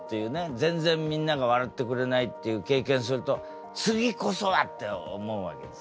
全然みんなが笑ってくれないっていう経験すると「次こそは！」って思うわけですよ。